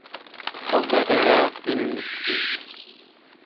Honda Canadá Finance Inc.